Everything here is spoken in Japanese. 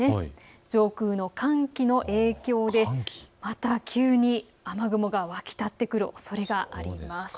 上空の寒気の影響でまた急に雨雲が湧き立ってくるおそれがあります。